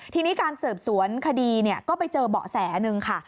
ทีนี้การสืบสวนคดีก็ไปเจอเบาะแสหนึ่งค่ะ